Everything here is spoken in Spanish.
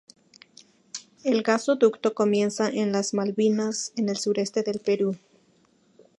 El gasoducto comienza en Las Malvinas, en el sureste del Perú.